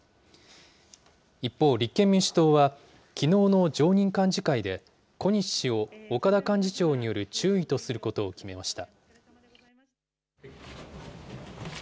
一方、立憲民主党は、きのうの常任幹事会で、小西氏を岡田幹事長による注意とすることを決めました。